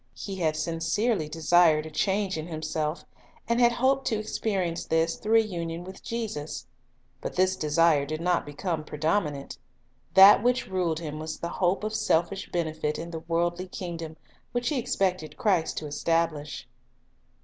He had sincerely desired a change in himself, and had hoped to experience this through a union with Jesus. But this desire did not become predominant. That which ruled him was the hope of selfish benefit in the worldly kingdom which he expected Christ to establish.